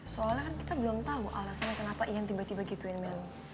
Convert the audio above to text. soalnya kan kita belum tau alasannya kenapa iyan tiba tiba gituin mel